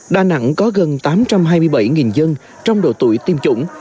đà nẵng có gần tám trăm hai mươi bảy dân trong độ tuổi tiêm chủng